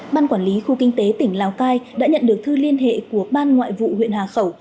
ban quản lý khu kinh tế tỉnh lào cai đã nhận được thư liên hệ của ban ngoại vụ huyện hà khẩu